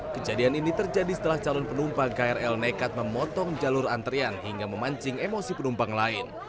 kejadian ini terjadi setelah calon penumpang krl nekat memotong jalur antrian hingga memancing emosi penumpang lain